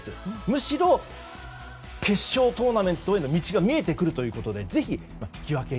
むしろ決勝トーナメントへの道が見えてくるということでぜひ引き分け